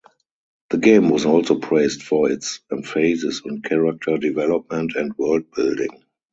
The game was also praised for its emphasis on character development and worldbuilding.